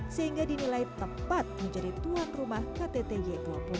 sehingga dinilai tempat menjadi tuang rumah ktt y dua puluh